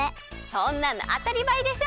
そんなのあたりまえでしょ！